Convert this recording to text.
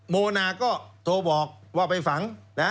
โมนาก็โทรบอกว่าไปฝัง